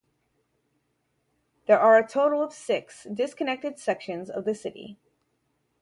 There are a total of six disconnected sections of the city.